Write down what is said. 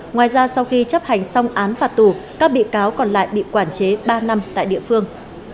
ngoài ra sau khi chấp hành xong án phạt tù các bị cáo còn lại bị quản chế ba năm tại địa phương